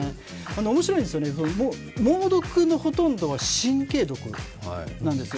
おもしろいんですよね、猛毒のほとんどは神経毒なんですよ。